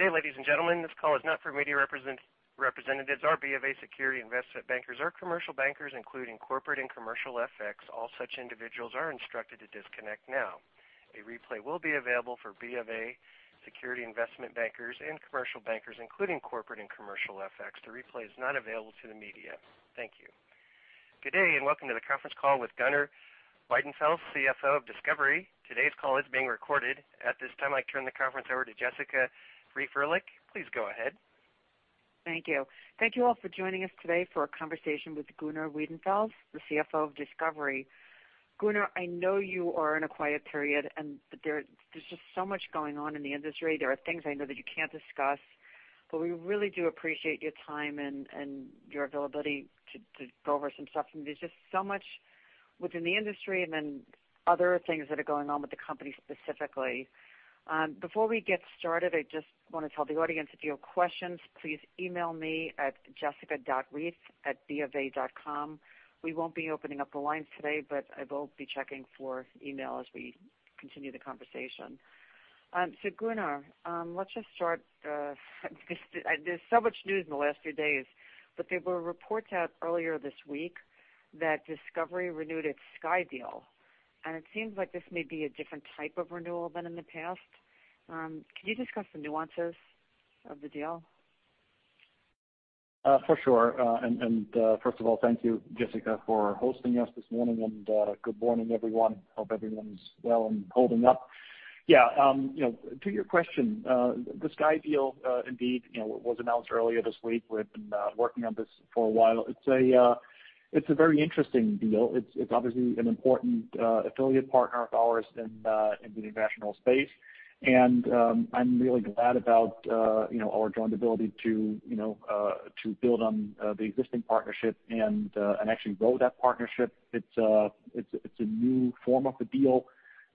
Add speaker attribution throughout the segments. Speaker 1: Good day, ladies and gentlemen. This call is not for media representatives or BofA Securities investment bankers or commercial bankers, including corporate and commercial FX. All such individuals are instructed to disconnect now. A replay will be available for BofA Securities investment bankers and commercial bankers, including corporate and commercial FX. The replay is not available to the media. Thank you. Good day, and welcome to the conference call with Gunnar Wiedenfels, CFO of Discovery. Today's call is being recorded. At this time, I turn the conference over to Jessica Reif Ehrlich. Please go ahead.
Speaker 2: Thank you. Thank you all for joining us today for a conversation with Gunnar Wiedenfels, the CFO of Discovery. Gunnar, I know you are in a quiet period, but there's just so much going on in the industry. There are things I know that you can't discuss, but we really do appreciate your time and your availability to go over some stuff. There's just so much within the industry and then other things that are going on with the company specifically. Before we get started, I just want to tell the audience if you have questions, please email me at jessica.reif@bofa.com. We won't be opening up the lines today, but I will be checking for email as we continue the conversation. Gunnar, let's just start. There's so much news in the last few days, but there were reports out earlier this week that Discovery renewed its Sky deal, and it seems like this may be a different type of renewal than in the past. Can you discuss the nuances of the deal?
Speaker 3: For sure. First of all, thank you, Jessica, for hosting us this morning, and good morning, everyone. Hope everyone's well and holding up. To your question, the Sky deal indeed was announced earlier this week. We've been working on this for a while. It's a very interesting deal. It's obviously an important affiliate partner of ours in the international space. I'm really glad about our joint ability to build on the existing partnership and actually grow that partnership. It's a new form of the deal.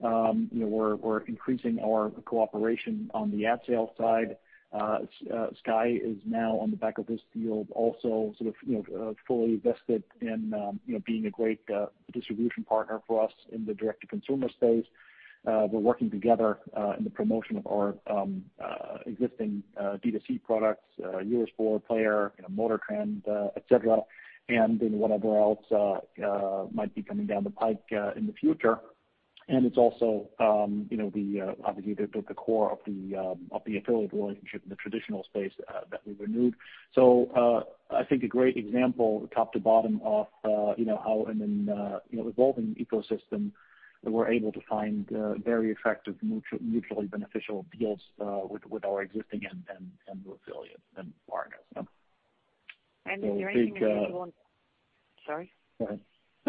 Speaker 3: We're increasing our cooperation on the ad sales side. Sky is now on the back of this deal also sort of fully vested in being a great distribution partner for us in the direct-to-consumer space. We're working together in the promotion of our existing D2C products, Eurosport Player, MotorTrend, et cetera, and then whatever else might be coming down the pike in the future. It's also obviously the core of the affiliate relationship in the traditional space that we renewed. I think a great example top to bottom of how in an evolving ecosystem that we're able to find very attractive mutually beneficial deals with our existing and new affiliates and partners.
Speaker 2: Is there anything unusual?
Speaker 3: So big-
Speaker 2: Sorry.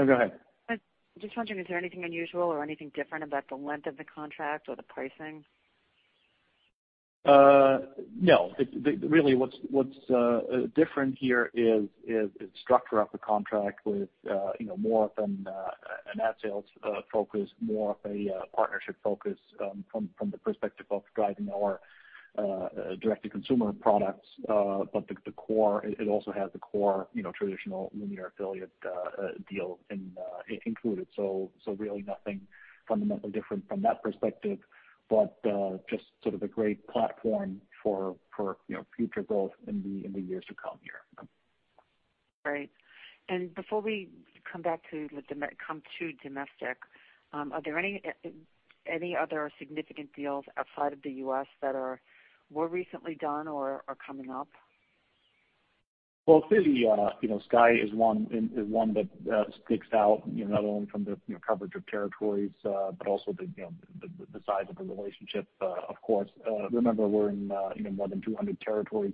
Speaker 3: Go ahead.
Speaker 2: Just wondering, is there anything unusual or anything different about the length of the contract or the pricing?
Speaker 3: No. Really what's different here is structure of the contract with more of an ad sales focus, more of a partnership focus from the perspective of driving our direct-to-consumer products. It also has the core traditional linear affiliate deal included. Really nothing fundamentally different from that perspective, but just sort of a great platform for future growth in the years to come here.
Speaker 2: Great. Before we come to domestic, are there any other significant deals outside of the U.S. that were recently done or are coming up?
Speaker 3: Well, clearly, Sky is one that sticks out, not only from the coverage of territories but also the size of the relationship, of course. Remember, we're in more than 200 territories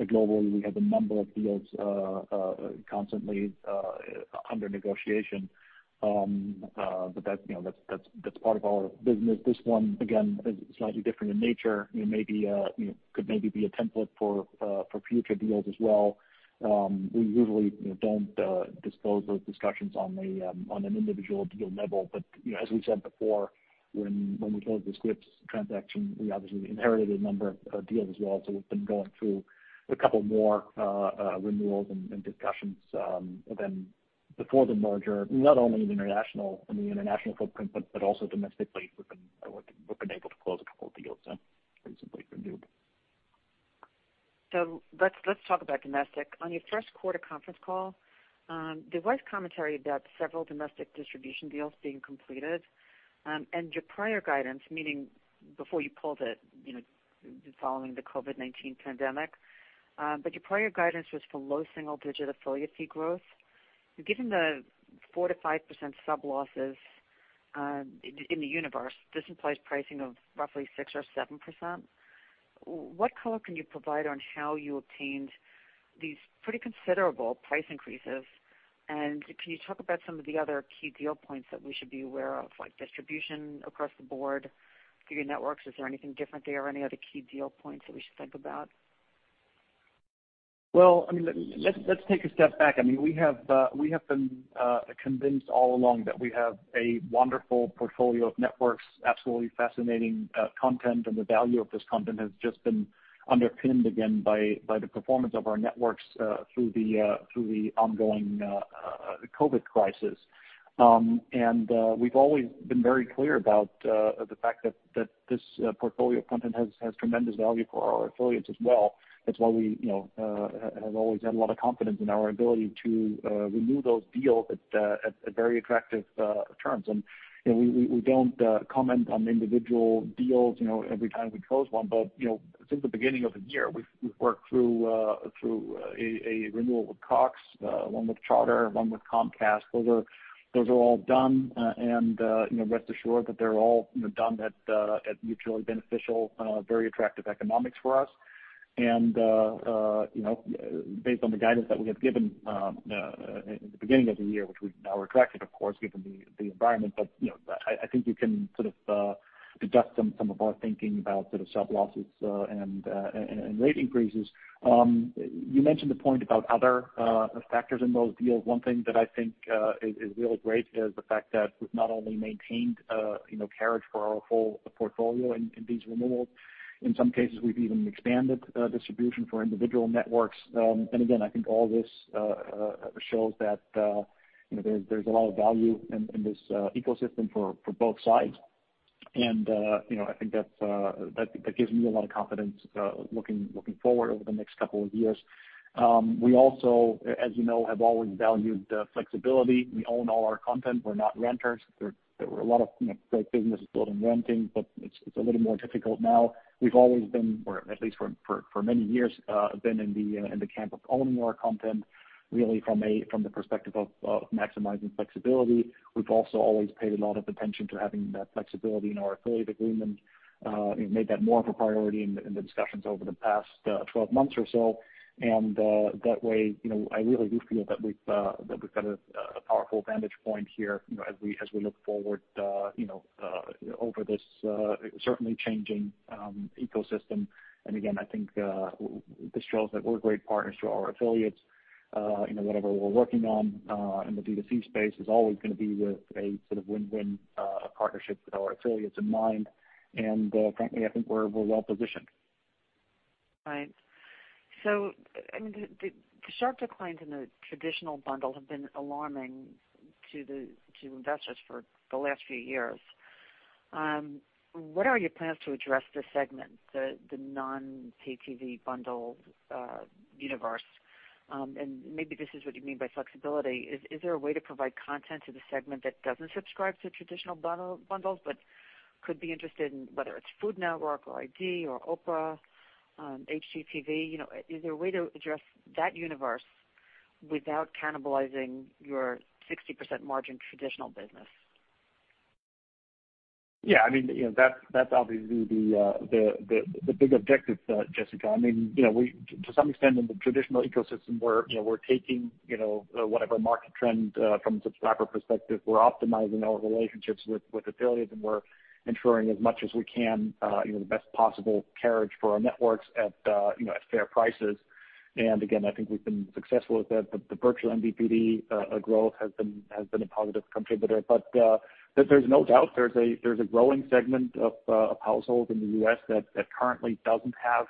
Speaker 3: globally. We have a number of deals constantly under negotiation. That's part of our business. This one, again, is slightly different in nature, could maybe be a template for future deals as well. We usually don't disclose those discussions on an individual deal level. As we said before, when we closed the Scripps transaction, we obviously inherited a number of deals as well. We've been going through a couple more renewals and discussions than before the merger, not only in the international footprint, but also domestically, we've been able to close a couple of deals and recently renewed.
Speaker 2: Let's talk about domestic. On your first quarter conference call, there was commentary about several domestic distribution deals being completed. Your prior guidance, meaning before you pulled it following the COVID-19 pandemic, your prior guidance was for low single-digit affiliate fee growth. Given the 4%-5% sub losses in the universe, this implies pricing of roughly 6% or 7%. What color can you provide on how you obtained these pretty considerable price increases? Can you talk about some of the other key deal points that we should be aware of, like distribution across the board through your networks? Is there anything different there or any other key deal points that we should think about?
Speaker 3: Well, let's take a step back. We have been convinced all along that we have a wonderful portfolio of networks, absolutely fascinating content, and the value of this content has just been underpinned again by the performance of our networks through the ongoing COVID crisis. We've always been very clear about the fact that this portfolio content has tremendous value for our affiliates as well. That's why we have always had a lot of confidence in our ability to renew those deals at very attractive terms. We don't comment on individual deals every time we close one. Since the beginning of the year, we've worked through a renewal with Cox, one with Charter, one with Comcast. Those are all done, and rest assured that they're all done at mutually beneficial, very attractive economics for us. Based on the guidance that we have given at the beginning of the year, which we've now retracted, of course, given the environment, I think you can sort of deduct some of our thinking about sort of sub losses and rate increases. You mentioned the point about other factors in those deals. One thing that I think is really great is the fact that we've not only maintained carriage for our whole portfolio in these renewals, in some cases, we've even expanded distribution for individual networks. Again, I think all this shows that there's a lot of value in this ecosystem for both sides. I think that gives me a lot of confidence looking forward over the next couple of years. We also, as you know, have always valued flexibility. We own all our content. We're not renters. There were a lot of great businesses built in renting, it's a little more difficult now. We've always been, or at least for many years, been in the camp of owning our content, really from the perspective of maximizing flexibility. We've also always paid a lot of attention to having that flexibility in our affiliate agreements. We've made that more of a priority in the discussions over the past 12 months or so. That way, I really do feel that we've got a powerful vantage point here as we look forward over this certainly changing ecosystem. Again, I think this shows that we're great partners to our affiliates. Whatever we're working on in the D2C space is always going to be with a sort of win-win partnership with our affiliates in mind. Frankly, I think we're well positioned.
Speaker 2: Right. The sharp declines in the traditional bundle have been alarming to investors for the last few years. What are your plans to address this segment, the non-pay TV bundle universe? Maybe this is what you mean by flexibility. Is there a way to provide content to the segment that doesn't subscribe to traditional bundles, but could be interested in whether it's Food Network or ID or OWN, HGTV? Is there a way to address that universe without cannibalizing your 60% margin traditional business?
Speaker 3: Yeah. That's obviously the big objective, Jessica. To some extent, in the traditional ecosystem, we're taking whatever market trend from a subscriber perspective. We're optimizing our relationships with affiliates, and we're ensuring as much as we can the best possible carriage for our networks at fair prices. Again, I think we've been successful with that. The virtual MVPD growth has been a positive contributor. There's no doubt there's a growing segment of households in the U.S. that currently doesn't have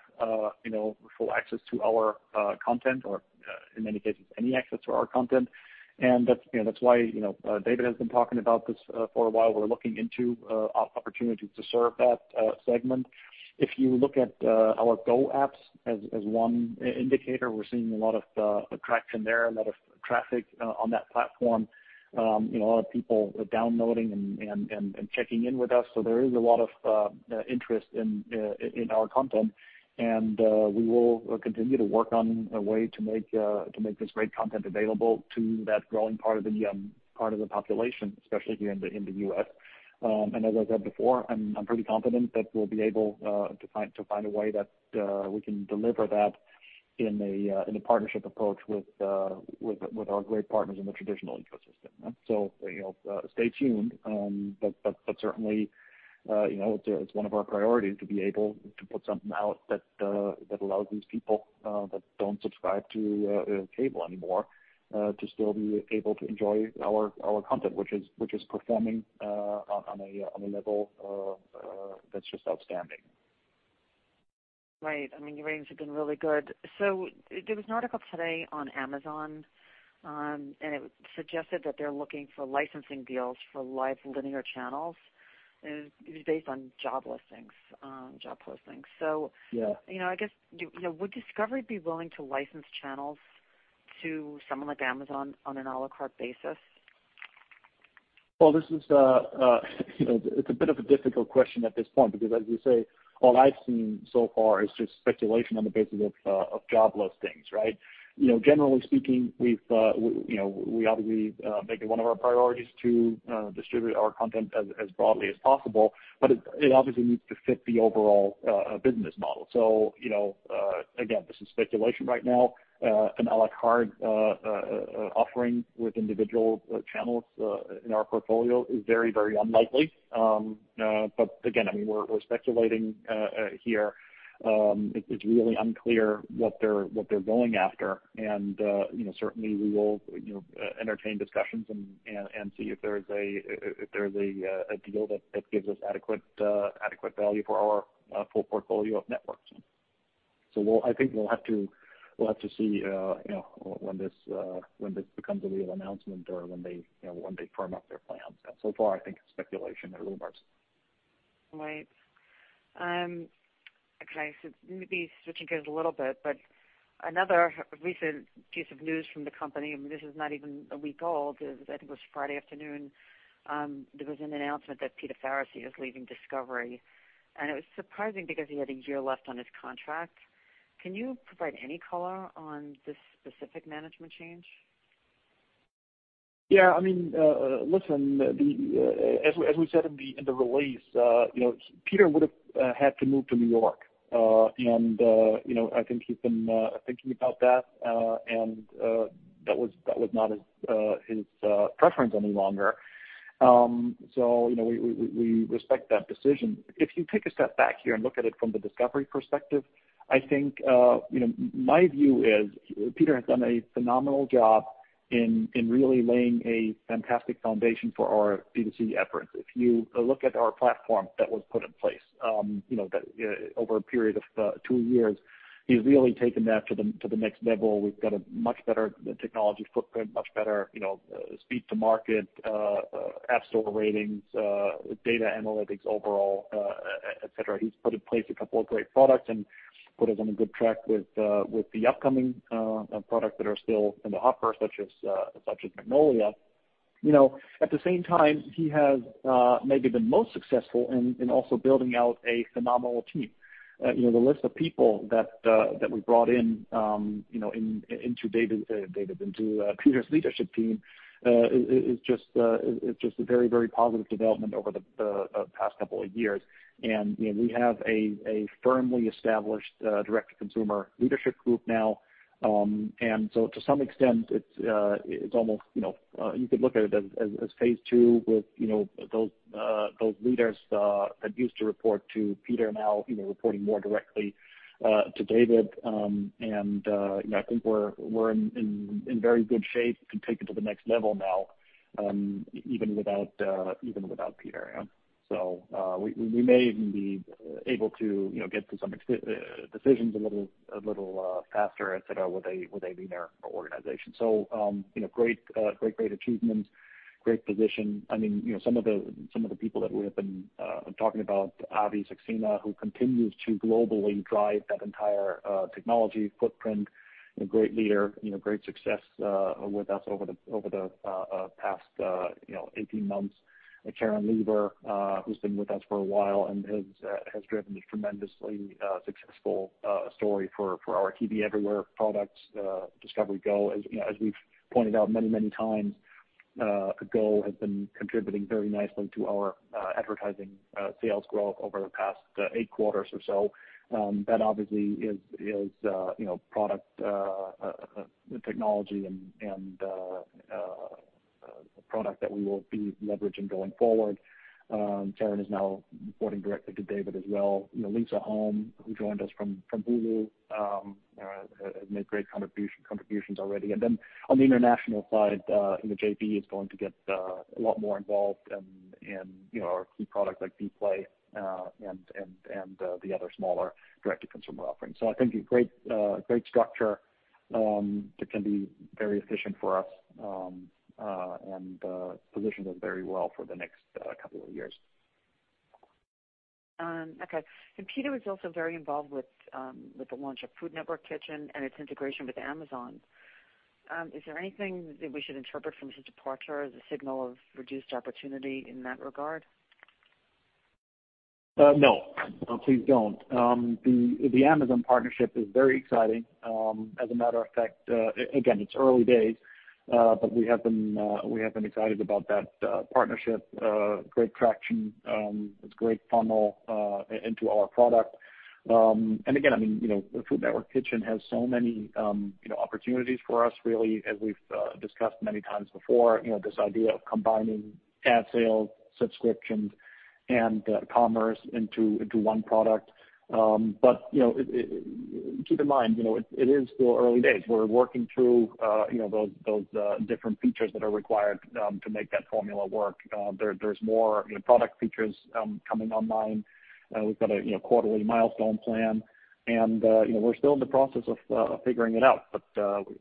Speaker 3: full access to our content or, in many cases, any access to our content. That's why David has been talking about this for a while. We're looking into opportunities to serve that segment. If you look at our GO apps as one indicator, we're seeing a lot of traction there, a lot of traffic on that platform. A lot of people are downloading and checking in with us. There is a lot of interest in our content, and we will continue to work on a way to make this great content available to that growing part of the population, especially here in the U.S. As I said before, I'm pretty confident that we'll be able to find a way that we can deliver that in a partnership approach with our great partners in the traditional ecosystem. Stay tuned, but certainly, it's one of our priorities to be able to put something out that allows these people that don't subscribe to cable anymore to still be able to enjoy our content, which is performing on a level that's just outstanding.
Speaker 2: Right. Your ratings have been really good. There was an article today on Amazon, and it suggested that they're looking for licensing deals for live linear channels. It was based on job listings, job postings.
Speaker 3: Yeah.
Speaker 2: Would Discovery be willing to license channels to someone like Amazon on an à la carte basis?
Speaker 3: It's a bit of a difficult question at this point because as you say, all I've seen so far is just speculation on the basis of job listings, right? Generally speaking, we obviously make it one of our priorities to distribute our content as broadly as possible, but it obviously needs to fit the overall business model. Again, this is speculation right now. An à la carte offering with individual channels in our portfolio is very unlikely. Again, we're speculating here. It's really unclear what they're going after. Certainly, we will entertain discussions and see if there's a deal that gives us adequate value for our full portfolio of networks. I think we'll have to see when this becomes a real announcement or when they firm up their plans. So far, I think it's speculation or rumors.
Speaker 2: Right. Okay, maybe switching gears a little bit, another recent piece of news from the company, and this is not even a week old, I think it was Friday afternoon, there was an announcement that Peter Faricy is leaving Discovery. It was surprising because he had a year left on his contract. Can you provide any color on this specific management change?
Speaker 3: As we said in the release, Peter would've had to move to New York, and I think he's been thinking about that, and that was not his preference any longer. We respect that decision. If you take a step back here and look at it from the Discovery perspective, I think, my view is Peter has done a phenomenal job in really laying a fantastic foundation for our D2C efforts. If you look at our platform that was put in place, over a period of two years, he's really taken that to the next level. We've got a much better technology footprint, much better speed to market, app store ratings, data analytics overall, et cetera. He's put in place a couple of great products and put us on a good track with the upcoming products that are still in the hopper, such as Magnolia. At the same time, he has maybe been most successful in also building out a phenomenal team. The list of people that we brought in to Peter Faricy's leadership team is just a very positive development over the past two years. We have a firmly established direct consumer leadership group now. To some extent, you could look at it as phase 2 with those leaders that used to report to Peter Faricy now reporting more directly to David Zaslav. I think we're in very good shape to take it to the next level now, even without Peter Faricy. We may even be able to get to some decisions a little faster, et cetera, with a leaner organization. Great achievements, great position. Some of the people that we have been talking about, Avi Saxena, who continues to globally drive that entire technology footprint. A great leader, great success with us over the past 18 months. Karen Leever, who's been with us for a while and has driven a tremendously successful story for our TV Everywhere products, Discovery GO. As we've pointed out many times, GO has been contributing very nicely to our advertising sales growth over the past eight quarters or so. That obviously is technology and product that we will be leveraging going forward. Karen Leever is now reporting directly to David Zaslav as well. Lisa Holme, who joined us from Hulu, has made great contributions already. On the international side, the JV is going to get a lot more involved in our key products like Dplay, and the other smaller direct-to-consumer offerings. I think a great structure that can be very efficient for us, and positions us very well for the next two years.
Speaker 2: Okay. Peter Faricy was also very involved with the launch of Food Network Kitchen and its integration with Amazon. Is there anything that we should interpret from his departure as a signal of reduced opportunity in that regard?
Speaker 3: No. Please don't. The Amazon partnership is very exciting. Again, it's early days, we have been excited about that partnership. Great traction. It's a great funnel into our product. The Food Network Kitchen has so many opportunities for us, really, as we've discussed many times before, this idea of combining ad sales, subscriptions, and commerce into one product. Keep in mind, it is still early days. We're working through those different features that are required to make that formula work. There's more product features coming online. We've got a quarterly milestone plan, we're still in the process of figuring it out.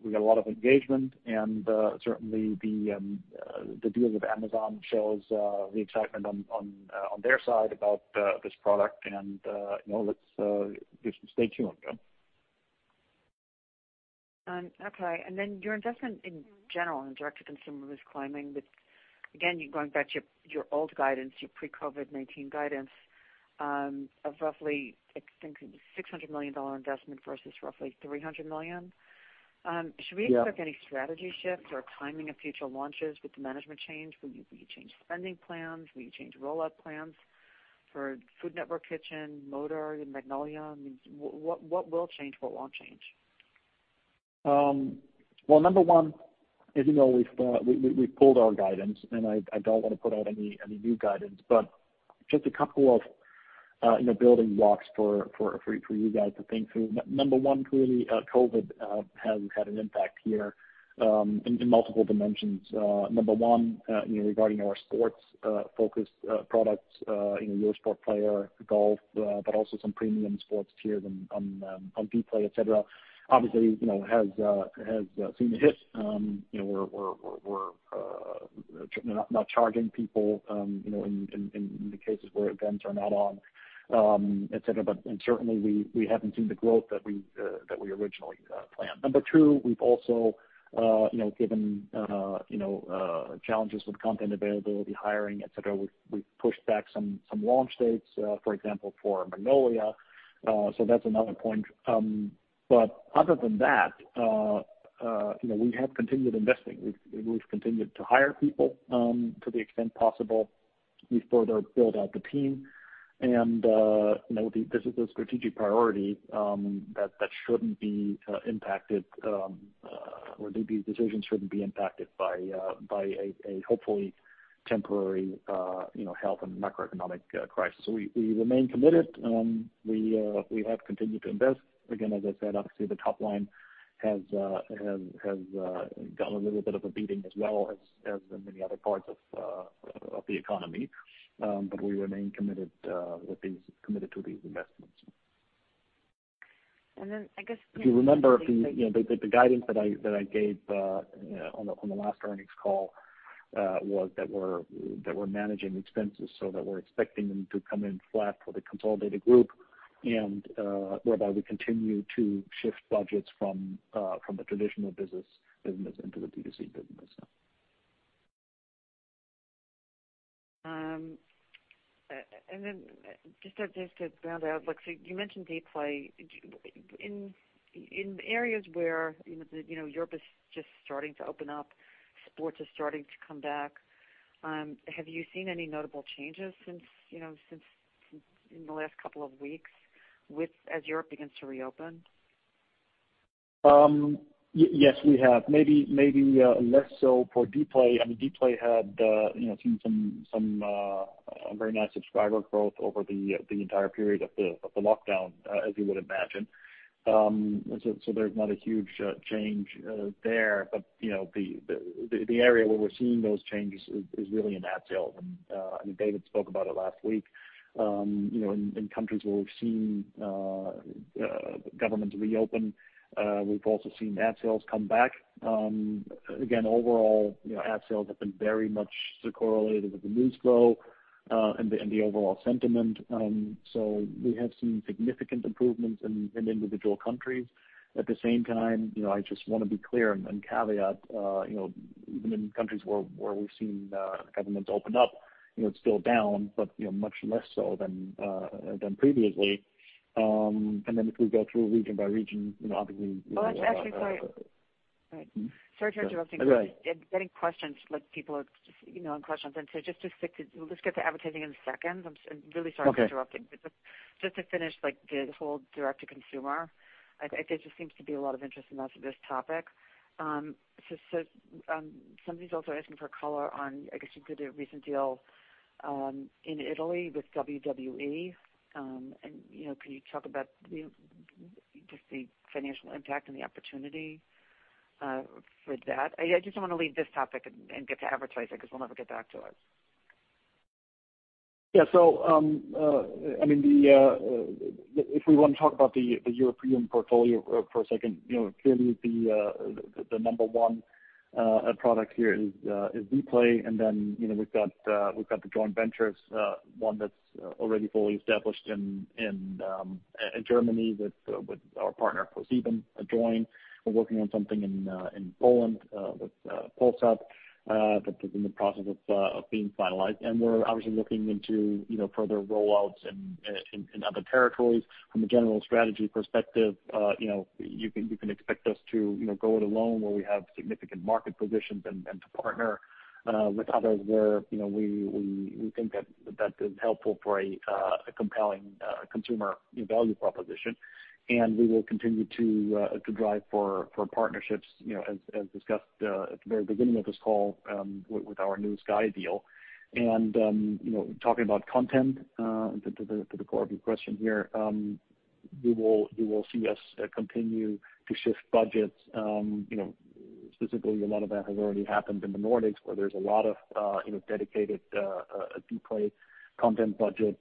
Speaker 3: We got a lot of engagement and certainly the deal with Amazon shows the excitement on their side about this product and let's stay tuned.
Speaker 2: Okay. Your investment in general in direct to consumer is climbing, but again, you're going back to your old guidance, your pre-COVID-19 guidance, of roughly, I think $600 million investment versus roughly $300 million.
Speaker 3: Yeah.
Speaker 2: Should we expect any strategy shifts or timing of future launches with the management change? Will you change spending plans? Will you change rollout plans for Food Network Kitchen, MotorTrend and Magnolia? I mean, what will change? What won't change?
Speaker 3: Well, number one, as you know, we've pulled our guidance, and I don't want to put out any new guidance, but just a couple of building blocks for you guys to think through. Number one, clearly, COVID has had an impact here in multiple dimensions. Number one, regarding our sports-focused products, Eurosport Player, GolfTV, but also some premium sports tiers on Dplay, et cetera, obviously, has seen a hit. We're not charging people in the cases where events are not on, et cetera. Certainly, we haven't seen the growth that we originally planned. Number two, we've also, given challenges with content availability, hiring, et cetera, we've pushed back some launch dates, for example, for Magnolia. That's another point. Other than that, we have continued investing. We've continued to hire people to the extent possible. We've further built out the team. These are the strategic priorities that shouldn't be impacted, or these decisions shouldn't be impacted by a hopefully temporary health and macroeconomic crisis. We remain committed. We have continued to invest. Again, as I said, obviously, the top line has gotten a little bit of a beating as well as many other parts of the economy. We remain committed to these investments.
Speaker 2: Then, I guess.
Speaker 3: If you remember, the guidance that I gave on the last earnings call was that we're managing expenses so that we're expecting them to come in flat for the consolidated group, and whereby we continue to shift budgets from the traditional business into the D2C business.
Speaker 2: Then just to round out, look, you mentioned Dplay. In areas where Europe is just starting to open up, sports is starting to come back, have you seen any notable changes in the last couple of weeks as Europe begins to reopen?
Speaker 3: Yes, we have. Maybe less so for Dplay. I mean, Dplay had seen some very nice subscriber growth over the entire period of the lockdown, as you would imagine. There's not a huge change there. The area where we're seeing those changes is really in ad sales. David spoke about it last week. In countries where we've seen governments reopen, we've also seen ad sales come back. Again, overall, ad sales have been very much correlated with the news flow and the overall sentiment. We have seen significant improvements in individual countries. At the same time, I just want to be clear and caveat, even in countries where we've seen governments open up, it's still down, but much less so than previously. Then if we go through region by region, obviously.
Speaker 2: Oh, actually, sorry. Sorry to interrupt you.
Speaker 3: Go ahead.
Speaker 2: I'm getting questions, like people are questions. Just to stick to, we'll just get to advertising in a second. I'm really sorry to interrupt you.
Speaker 3: Okay.
Speaker 2: Just to finish the whole direct-to-consumer, there just seems to be a lot of interest in this topic. Somebody's also asking for color on, I guess, you did a recent deal in Italy with WWE. Can you talk about just the financial impact and the opportunity for that? I just want to leave this topic and get to advertising, because we'll never get back to it.
Speaker 3: Yeah. If we want to talk about the European portfolio for a second, clearly the number one product here is Dplay. We've got the joint ventures, one that's already fully established in Germany with our partner, ProSieben, Joyn. We're working on something in Poland with Polsat that is in the process of being finalized. We're obviously looking into further roll-outs in other territories. From a general strategy perspective, you can expect us to go it alone where we have significant market positions and to partner with others where we think that that is helpful for a compelling consumer value proposition. We will continue to drive for partnerships, as discussed at the very beginning of this call, with our new Sky deal. Talking about content, to the core of your question here, you will see us continue to shift budgets. Specifically, a lot of that has already happened in the Nordics, where there's a lot of dedicated Dplay content budget.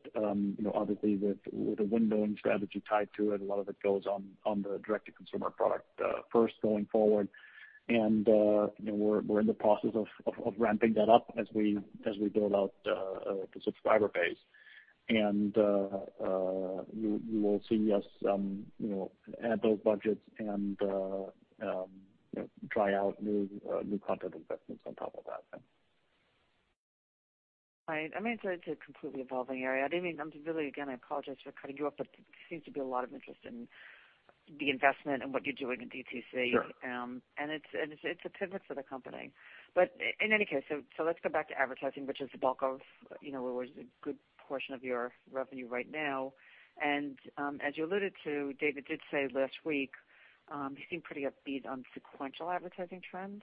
Speaker 3: Obviously, with a windowing strategy tied to it, a lot of it goes on the direct-to-consumer product first going forward. We're in the process of ramping that up as we build out the subscriber base. You will see us add those budgets and try out new content investments on top of that.
Speaker 2: Right. I mean, it's a completely evolving area. Really, again, I apologize for cutting you off, but there seems to be a lot of interest in the investment and what you're doing in D2C.
Speaker 3: Sure.
Speaker 2: It's a pivot for the company. Let's go back to advertising, which is the bulk of what was a good portion of your revenue right now. As you alluded to, David did say last week, he seemed pretty upbeat on sequential advertising trends.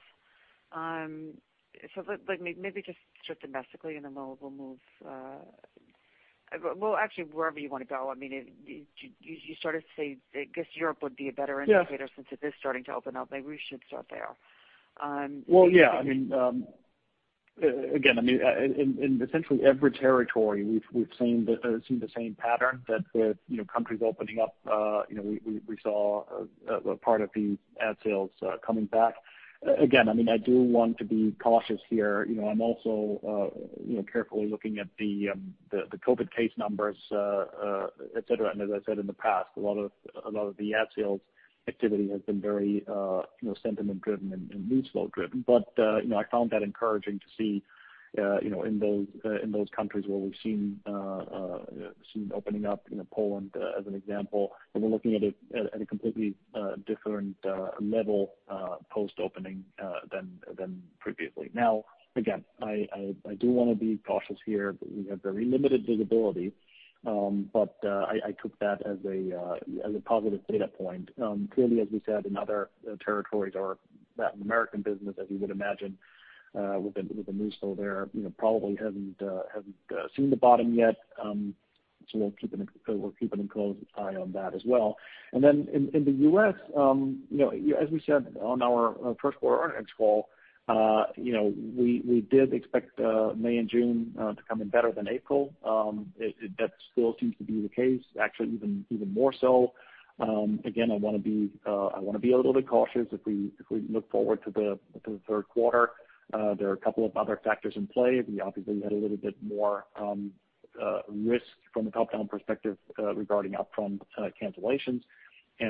Speaker 2: Maybe just start domestically and then we'll move. Well, actually, wherever you want to go. You sort of say, I guess Europe would be a better indicator-
Speaker 3: Yeah
Speaker 2: since it is starting to open up. Maybe we should start there.
Speaker 3: Well, yeah. Again, in essentially every territory, we've seen the same pattern that with countries opening up, we saw a part of the ad sales coming back. Again, I do want to be cautious here. I'm also carefully looking at the COVID case numbers, et cetera. As I said in the past, a lot of the ad sales activity has been very sentiment-driven and news flow-driven. I found that encouraging to see in those countries where we've seen opening up, Poland, as an example, and we're looking at a completely different level post-opening than previously. Again, I do want to be cautious here. We have very limited visibility, I took that as a positive data point. Clearly, as we said, in other territories or Latin American business, as you would imagine, with the news flow there, probably hasn't seen the bottom yet. We're keeping a close eye on that as well. Then in the U.S., as we said on our first quarter earnings call, we did expect May and June to come in better than April. That still seems to be the case, actually, even more so. Again, I want to be a little bit cautious if we look forward to the third quarter. There are a couple of other factors in play. We obviously had a little bit more risk from a top-down perspective regarding upfront cancellations,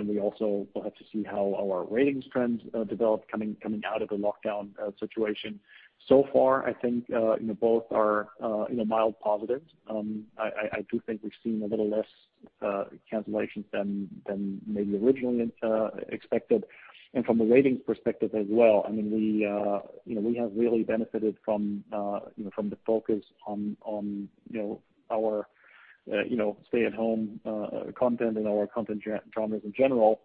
Speaker 3: we also will have to see how our ratings trends develop coming out of the lockdown situation. Far, I think both are mild positives. I do think we've seen a little less cancellations than maybe originally expected. From a ratings perspective as well, we have really benefited from the focus on our stay-at-home content and our content genres in general.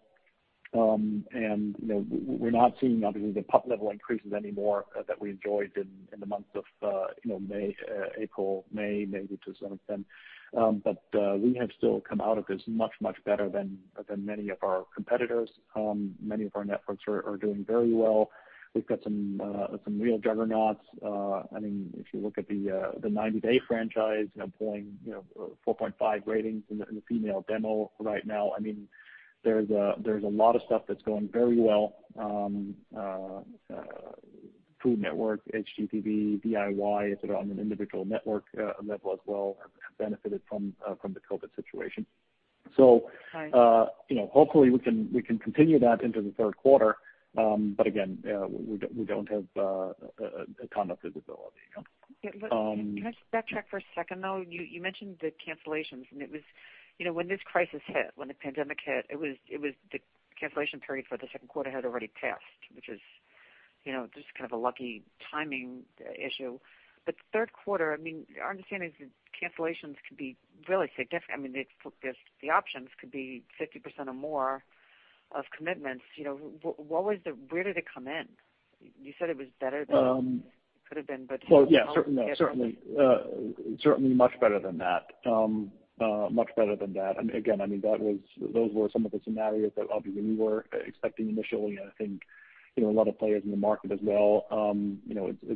Speaker 3: We're not seeing, obviously, the pop level increases anymore that we enjoyed in the months of April, May, maybe to some extent. We have still come out of this much, much better than many of our competitors. Many of our networks are doing very well. We've got some real juggernauts. If you look at the "90 Day" franchise, pulling 4.5 ratings in the female demo right now. There's a lot of stuff that's going very well. Food Network, HGTV, DIY, sort of on an individual network level as well, have benefited from the COVID situation.
Speaker 2: Right
Speaker 3: hopefully we can continue that into the third quarter. Again, we don't have a ton of visibility.
Speaker 2: Can I just backtrack for a second, though? You mentioned the cancellations, when this crisis hit, when the pandemic hit, the cancellation period for the second quarter had already passed, which is just kind of a lucky timing issue. The third quarter, our understanding is that cancellations could be really significant. The options could be 50% or more of commitments. Where did it come in? You said it was better than it could have been, but can you-
Speaker 3: Well, yeah. Certainly much better than that. Much better than that. Again, those were some of the scenarios that obviously we were expecting initially, and I think a lot of players in the market as well.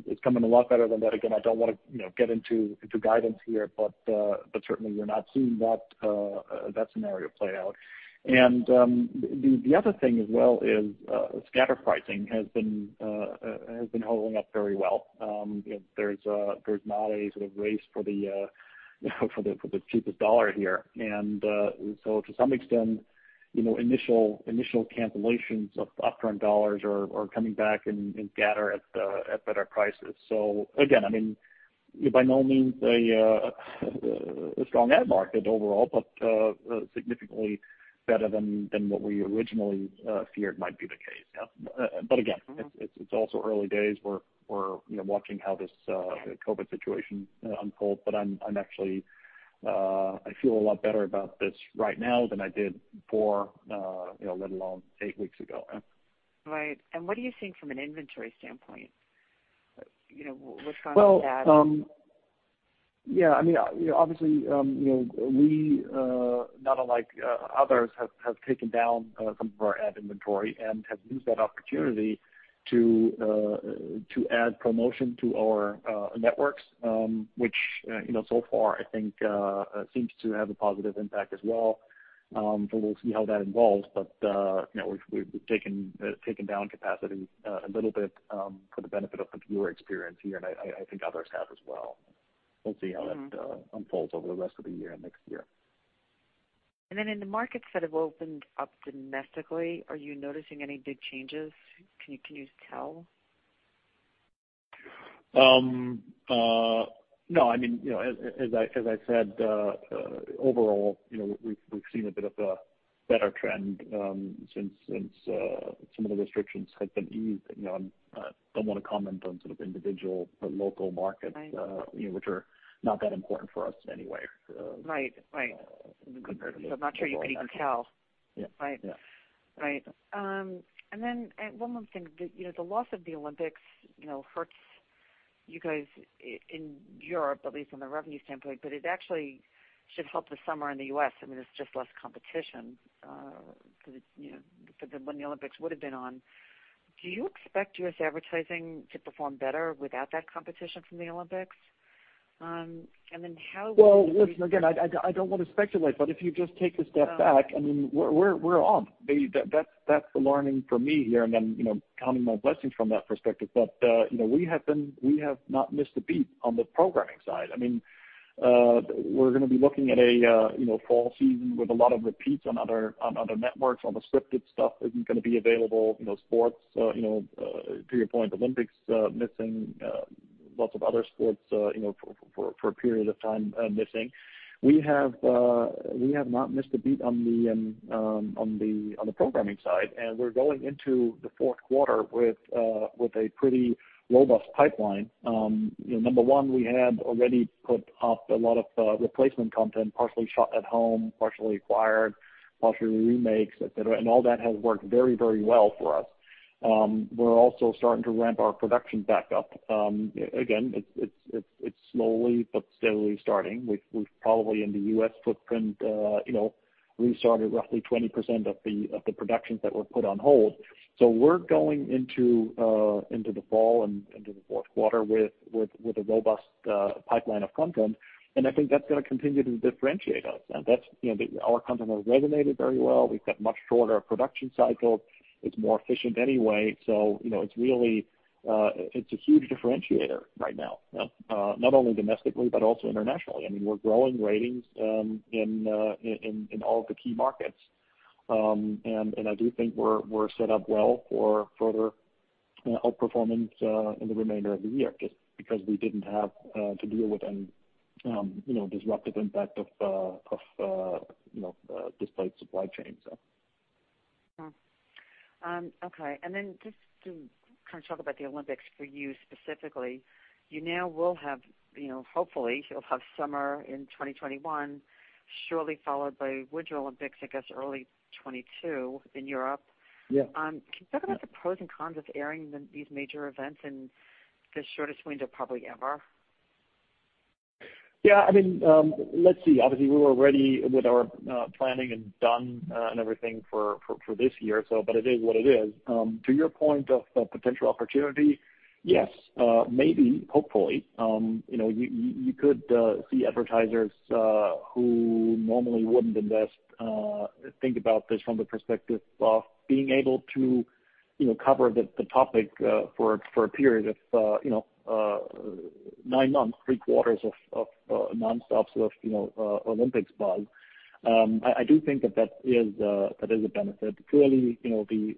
Speaker 3: It's coming a lot better than that. Again, I don't want to get into guidance here, certainly we're not seeing that scenario play out. The other thing as well is scatter pricing has been holding up very well. There's not a sort of race for the cheapest dollar here. To some extent, initial cancellations of upfront dollars are coming back in scatter at better prices. Again, by no means a strong ad market overall, but significantly better than what we originally feared might be the case. Again, it's also early days. We're watching how this COVID situation unfolds. I feel a lot better about this right now than I did four, let alone eight weeks ago. Yeah.
Speaker 2: Right. What are you seeing from an inventory standpoint? What's going on with that?
Speaker 3: Yeah. Obviously, we, not unlike others, have taken down some of our ad inventory and have used that opportunity to add promotion to our networks, which, so far, I think seems to have a positive impact as well. We'll see how that evolves. We've taken down capacity a little bit for the benefit of the viewer experience here, and I think others have as well. We'll see how that unfolds over the rest of the year and next year.
Speaker 2: In the markets that have opened up domestically, are you noticing any big changes? Can you tell?
Speaker 3: No. As I said, overall, we've seen a bit of a better trend since some of the restrictions have been eased. I don't want to comment on sort of individual local markets.
Speaker 2: Right
Speaker 3: which are not that important for us anyway.
Speaker 2: Right. I'm not sure you could even tell.
Speaker 3: Yeah.
Speaker 2: Right. One more thing. The loss of the Olympics hurts you guys in Europe, at least from a revenue standpoint, but it actually should help the summer in the U.S. I mean, it's just less competition because when the Olympics would've been on. Do you expect U.S. advertising to perform better without that competition from the Olympics? How-
Speaker 3: Well, listen, again, I don't want to speculate, but if you just take a step back and then we're on. That's the learning for me here and then counting my blessings from that perspective. We have not missed a beat on the programming side. We're going to be looking at a fall season with a lot of repeats on other networks. All the scripted stuff isn't going to be available. Sports, to your point, Olympics missing, lots of other sports for a period of time missing. We have not missed a beat on the programming side, and we're going into the fourth quarter with a pretty robust pipeline. Number one, we had already put up a lot of replacement content, partially shot at home, partially acquired, partially remakes, et cetera, and all that has worked very well for us. We're also starting to ramp our production back up. It's slowly but steadily starting. We've probably in the U.S. footprint restarted roughly 20% of the productions that were put on hold. We're going into the fall and into the fourth quarter with a robust pipeline of content. I think that's going to continue to differentiate us. Our content has resonated very well. We've got much shorter production cycles. It's more efficient anyway, so it's a huge differentiator right now. Not only domestically, but also internationally. I mean, we're growing ratings in all of the key markets. I do think we're set up well for further outperformance in the remainder of the year, just because we didn't have to deal with any disruptive impact of the supply chain.
Speaker 2: Okay. Just to talk about the Olympics for you specifically, you now will have, hopefully, you'll have summer in 2021, surely followed by Winter Olympics, I guess early 2022 in Europe.
Speaker 3: Yeah.
Speaker 2: Can you talk about the pros and cons of airing these major events in the shortest window probably ever?
Speaker 3: Yeah. Let's see. Obviously, we were ready with our planning and done and everything for this year, but it is what it is. To your point of potential opportunity, yes. Maybe, hopefully, you could see advertisers who normally wouldn't invest think about this from the perspective of being able to cover the topic for a period of nine months, three quarters of non-stop sort of Olympics buzz. I do think that that is a benefit. Clearly, the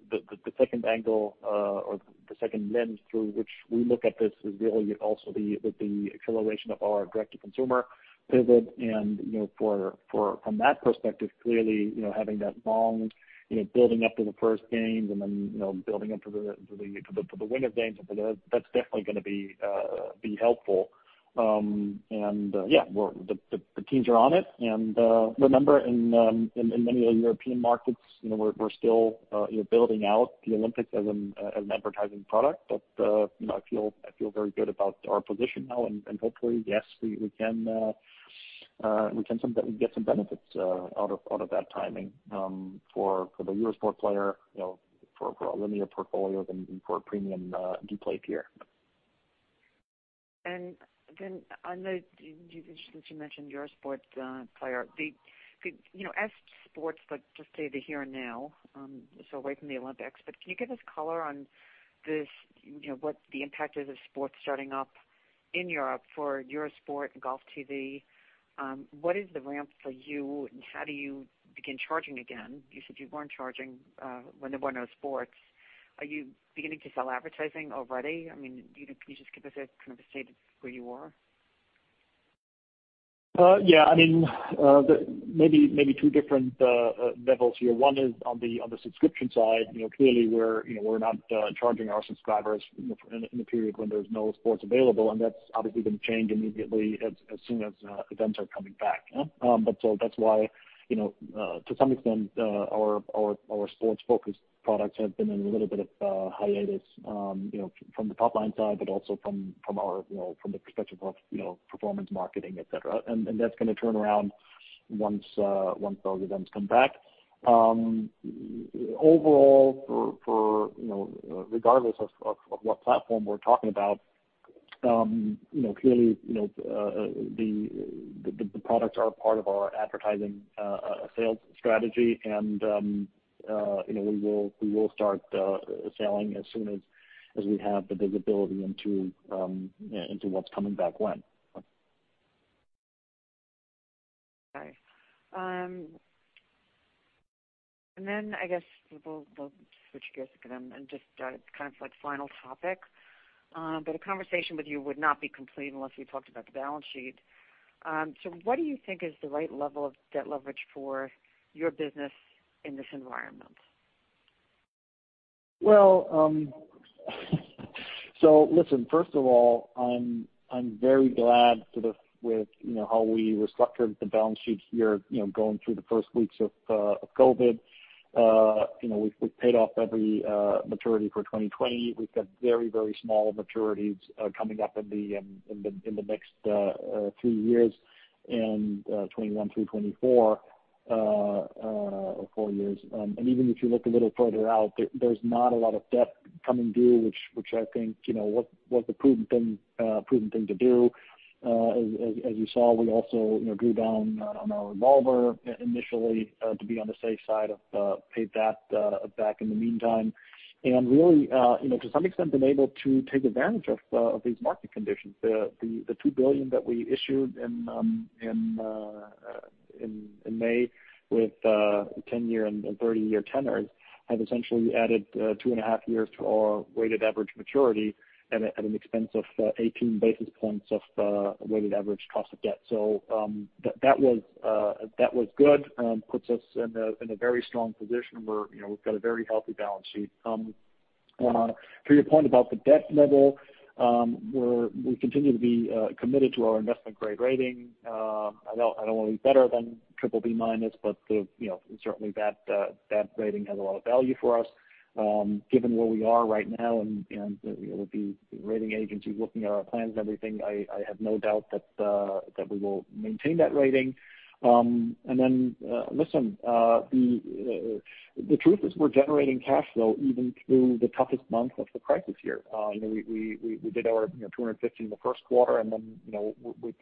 Speaker 3: second angle or the second lens through which we look at this is really also with the acceleration of our direct-to-consumer pivot and from that perspective, clearly, having that long building up to the first games and then building up to the Winter Games and for those, that's definitely going to be helpful. Yeah, the teams are on it. remember in many of the European markets, we're still building out the Olympics as an advertising product. I feel very good about our position now, and hopefully, yes, we can get some benefits out of that timing for the Eurosport Player, for our linear portfolio than for a premium Dplay tier.
Speaker 2: I know since you mentioned Eurosport Player. As sports, like just say the here and now, so away from the Olympics, can you give us color on what the impact is of sports starting up in Europe for Eurosport and GolfTV? What is the ramp for you, and how do you begin charging again? You said you weren't charging when there were no sports. Are you beginning to sell advertising already? Can you just give us a state of where you are?
Speaker 3: Yeah. Maybe two different levels here. One is on the subscription side. Clearly, we're not charging our subscribers in the period when there's no sports available, and that's obviously going to change immediately as soon as events are coming back. So that's why to some extent, our sports-focused products have been in a little bit of a hiatus from the top-line side, but also from the perspective of performance marketing, et cetera. That's going to turn around once those events come back. Overall, regardless of what platform we're talking about, clearly the products are a part of our advertising sales strategy, and we will start selling as soon as we have the visibility into what's coming back when.
Speaker 2: Okay. I guess we'll switch gears again and just kind of like final topic. A conversation with you would not be complete unless we talked about the balance sheet. What do you think is the right level of debt leverage for your business in this environment?
Speaker 3: Listen, first of all, I'm very glad with how we restructured the balance sheet here, going through the first weeks of COVID. We've paid off every maturity for 2020. We've got very small maturities coming up in the next three years, in 2021 through 2024, or four years. Even if you look a little further out, there's not a lot of debt coming due, which I think was the prudent thing to do. As you saw, we also drew down on our revolver initially to be on the safe side, paid that back in the meantime. Really, to some extent, been able to take advantage of these market conditions. The $2 billion that we issued in May with 10-year and 30-year tenors have essentially added two and a half years to our weighted average maturity at an expense of 18 basis points of weighted average cost of debt. That was good. Puts us in a very strong position where we've got a very healthy balance sheet. To your point about the debt level, we continue to be committed to our investment-grade rating. I don't want to be better than BBB-, but certainly that rating has a lot of value for us. Given where we are right now and with the rating agencies looking at our plans and everything, I have no doubt that we will maintain that rating. Listen, the truth is we're generating cash flow even through the toughest month of the crisis here. We did our $250 in the first quarter, then we've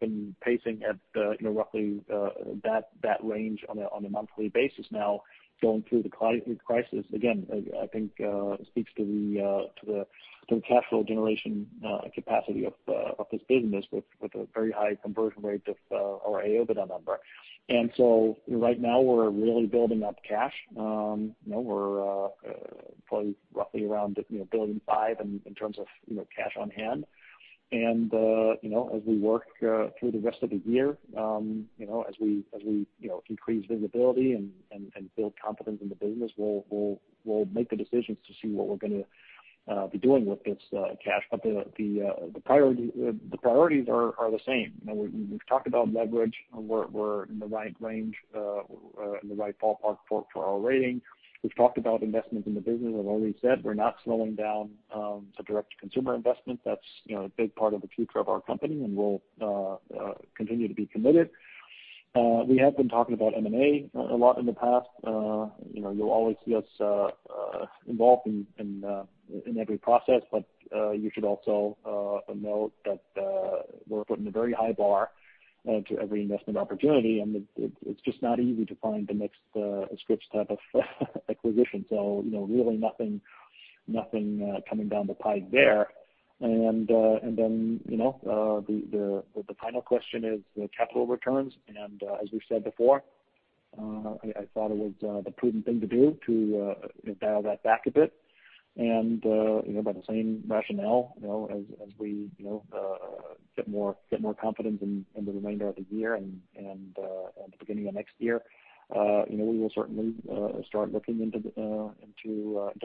Speaker 3: been pacing at roughly that range on a monthly basis now going through the crisis. Again, I think speaks to the cash flow generation capacity of this business with a very high conversion rate of our Adjusted OIBDA number. Right now, we're really building up cash. We're probably roughly around $1.5 billion in terms of cash on hand. As we work through the rest of the year, as we increase visibility and build confidence in the business, we'll make the decisions to see what we're going to be doing with this cash. The priorities are the same. We've talked about leverage. We're in the right range, in the right ballpark for our rating. We've talked about investments in the business. As Ehrlich said, we're not slowing down the direct-to-consumer investment. That's a big part of the future of our company. We'll continue to be committed. We have been talking about M&A a lot in the past. You'll always see us involved in every process, you should also note that we're putting a very high bar to every investment opportunity, it's just not easy to find the next Scripps type of acquisition. Really nothing coming down the pipe there. The final question is capital returns. As we've said before, I thought it was the prudent thing to do to dial that back a bit. By the same rationale, as we get more confident in the remainder of the year and the beginning of next year, we will certainly start looking into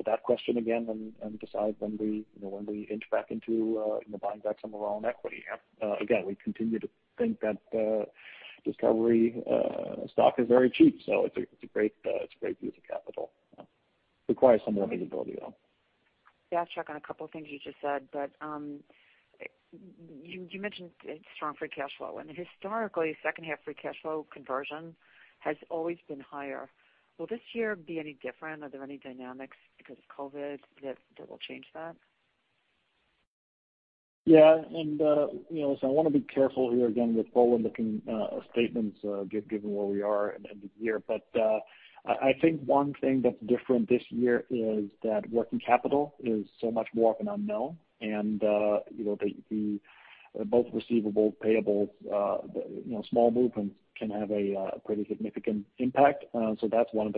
Speaker 3: that question again and decide when we inch back into buying back some of our own equity. We continue to think that Discovery stock is very cheap, so it's a great use of capital. Requires some more visibility, though.
Speaker 2: Chuck, on a couple things you just said, but you mentioned strong free cash flow. Historically, second half free cash flow conversion has always been higher. Will this year be any different? Are there any dynamics because of COVID that will change that?
Speaker 3: I want to be careful here again with forward-looking statements, given where we are at the end of the year. I think one thing that's different this year is that working capital is so much more of an unknown. Both receivables, payables, small movements can have a pretty significant impact. That's one of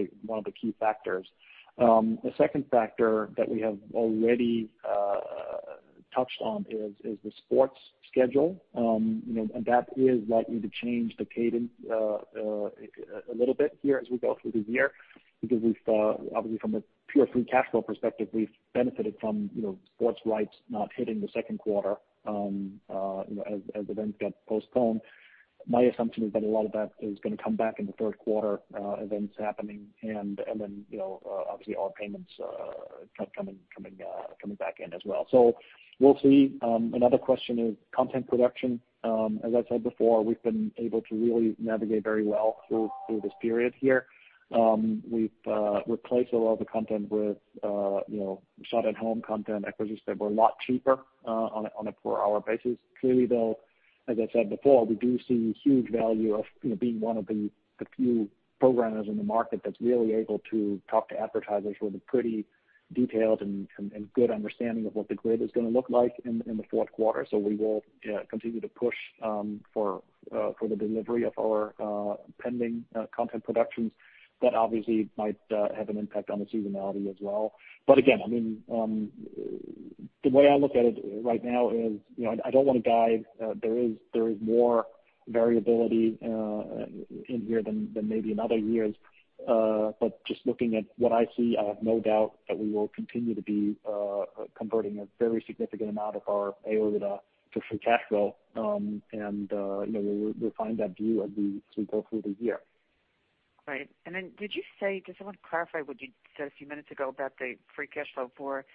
Speaker 3: the key factors. The second factor that we have already touched on is the sports schedule. That is likely to change the cadence a little bit here as we go through the year because obviously from a pure free cash flow perspective, we've benefited from sports rights not hitting the second quarter as events got postponed. My assumption is that a lot of that is going to come back in the third quarter, events happening and then obviously our payments coming back in as well. We'll see. Another question is content production. As I've said before, we've been able to really navigate very well through this period here. We've replaced a lot of the content with shot-at-home content acquisitions that were a lot cheaper on a per hour basis. Clearly, though, as I said before, we do see huge value of being one of the few programmers in the market that's really able to talk to advertisers with a pretty detailed and good understanding of what the grid is going to look like in the fourth quarter. We will continue to push for the delivery of our pending content productions. That obviously might have an impact on the seasonality as well. Again, the way I look at it right now is, I don't want to guide. There is more variability in here than maybe in other years. Just looking at what I see, I have no doubt that we will continue to be converting a very significant amount of our Adjusted OIBDA to free cash flow. We'll refine that view as we go through the year.
Speaker 2: Great. Did you say, I want to clarify what you said a few minutes ago about the free cash flow for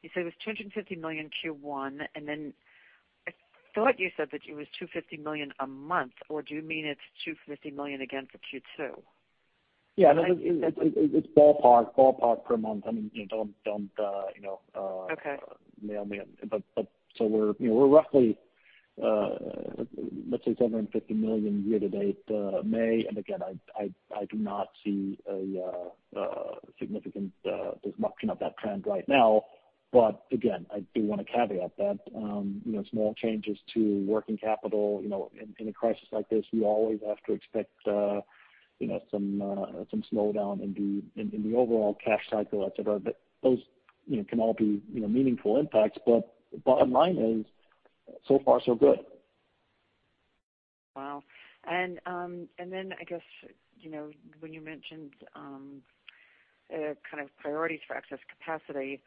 Speaker 2: You said it was $250 million Q1, I thought you said that it was $250 million a month, or do you mean it's $250 million again for Q2?
Speaker 3: Yeah. It's ballpark per month. I mean.
Speaker 2: Okay.
Speaker 3: Nail me on it. We're roughly, let's say, $750 million year to date, May. Again, I do not see a significant disruption of that trend right now. Again, I do want to caveat that small changes to working capital in a crisis like this, we always have to expect some slowdown in the overall cash cycle, et cetera. Those can all be meaningful impacts, but the bottom line is, so far so good.
Speaker 2: Wow. I guess, when you mentioned kind of priorities for excess capacity,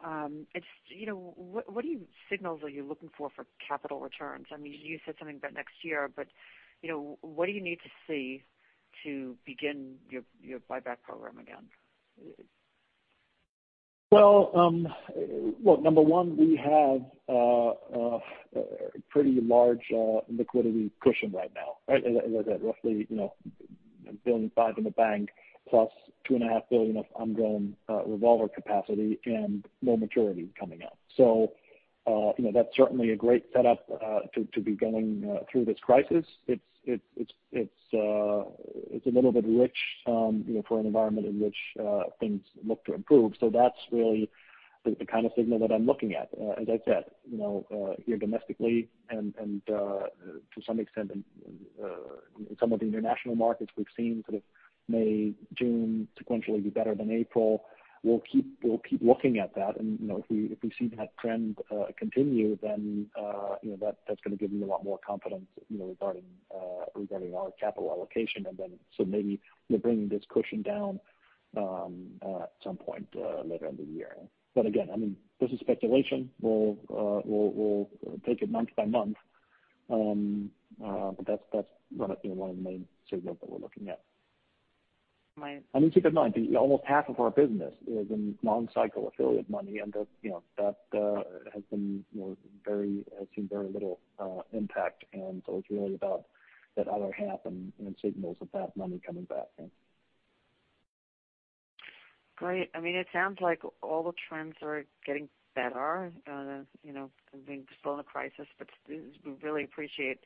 Speaker 2: what signals are you looking for capital returns? I mean, you said something about next year, but what do you need to see to begin your buyback program again?
Speaker 3: Well, number one, we have a pretty large liquidity cushion right now, right? We're at roughly $1.5 billion in the bank, plus $2.5 billion of undrawn revolver capacity and no maturity coming up. That's certainly a great setup to be going through this crisis. It's a little bit rich for an environment in which things look to improve. That's really the kind of signal that I'm looking at. As I said, here domestically and to some extent in some of the international markets we've seen sort of May, June sequentially be better than April. We'll keep looking at that, if we see that trend continue, that's going to give me a lot more confidence regarding our capital allocation, maybe we're bringing this cushion down at some point later in the year. Again, I mean, this is speculation. We'll take it month by month. That's one of the main signals that we're looking at.
Speaker 2: Right.
Speaker 3: You keep in mind, almost half of our business is in long cycle affiliate money, that has seen very little impact. It's really about that other half and signals of that money coming back in.
Speaker 2: Great. I mean, it sounds like all the trends are getting better. I mean, we're still in a crisis, but we really appreciate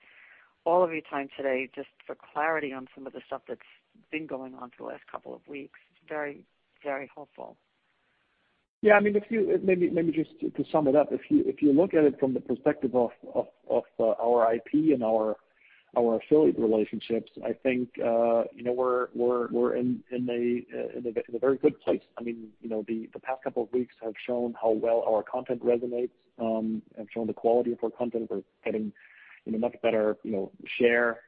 Speaker 2: all of your time today just for clarity on some of the stuff that's been going on for the last couple of weeks. It's very helpful.
Speaker 3: Yeah, I mean, maybe just to sum it up, if you look at it from the perspective of our IP and our affiliate relationships, I think we're in a very good place. I mean, the past couple of weeks have shown how well our content resonates, have shown the quality of our content. We're getting a much better share,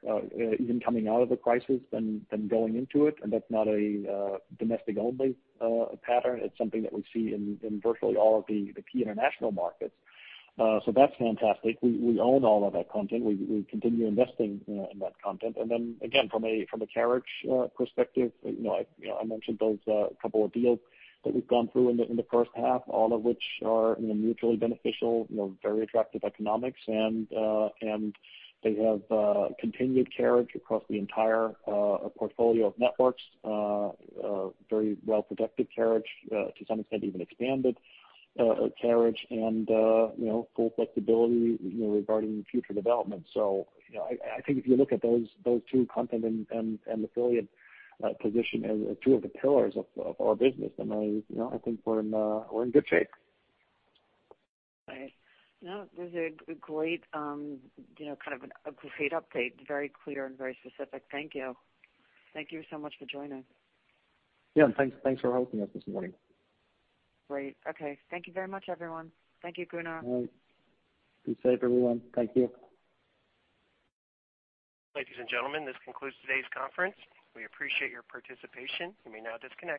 Speaker 3: even coming out of the crisis than going into it, that's not a domestic-only pattern. It's something that we see in virtually all of the key international markets. That's fantastic. We own all of that content. We continue investing in that content. Then again, from a carriage perspective, I mentioned those couple of deals that we've gone through in the first half, all of which are mutually beneficial, very attractive economics, and they have continued carriage across the entire portfolio of networks. Very well-protected carriage, to some extent, even expanded carriage and full flexibility regarding future development. I think if you look at those two, content and affiliate position as two of the pillars of our business, then I think we're in good shape.
Speaker 2: Right. No, this is a great update. Very clear and very specific. Thank you. Thank you so much for joining.
Speaker 3: Yeah. Thanks for hosting us this morning.
Speaker 2: Great. Okay. Thank you very much, everyone. Thank you, Gunnar.
Speaker 3: All right. Be safe, everyone. Thank you.
Speaker 1: Ladies and gentlemen, this concludes today's conference. We appreciate your participation. You may now disconnect.